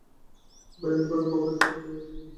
বাইরের ঘরে খবরের কাগজ পড়ে আছে, নিয়ে আয়।